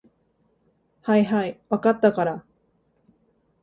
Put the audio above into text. はいはい、分かったから。